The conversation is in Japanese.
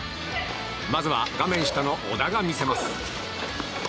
まずは画面下の小田が見せます。